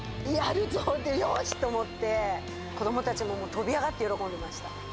やるぞ、よしと思って、子どもたちも飛び上がって喜んでました。